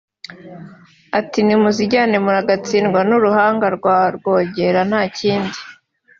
ati “Nimuzijyane muragatsindwa n’uruhanga rwa Rwogera nta kindi”